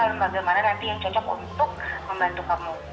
luka luka mana nanti yang cocok untuk membantu kamu